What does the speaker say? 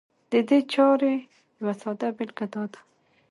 د دې چارې يوه ساده بېلګه دا ده